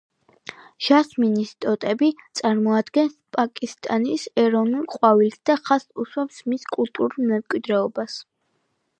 ჟასმინის ტოტები წარმოადგენს პაკისტანის ეროვნულ ყვავილს და ხაზს უსვამს მის კულტურულ მემკვიდრეობას.